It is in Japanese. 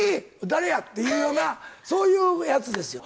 誰やっていうような、そういうやつですよ。